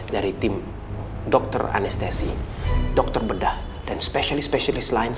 dari tim dokter anestesi dokter bedah dan spesialis spesialis lain